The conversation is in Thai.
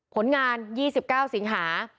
ผลงาน๒๙สิงหา